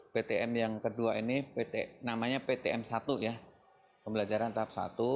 ptm yang kedua ini namanya ptm satu ya pembelajaran tahap satu